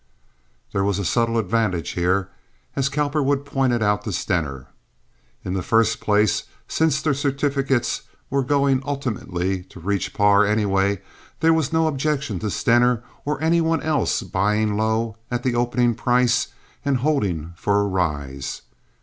There was a subtle advantage here, as Cowperwood pointed out to Stener. In the first place, since the certificates were going ultimately to reach par anyway, there was no objection to Stener or any one else buying low at the opening price and holding for a rise.